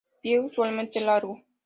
Pie usualmente largo.